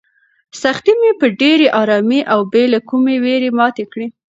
سختۍ مې په ډېرې ارامۍ او بې له کومې وېرې ماتې کړې.